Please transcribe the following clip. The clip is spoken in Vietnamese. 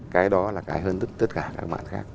cái đó là cái hơn tức tất cả các bạn khác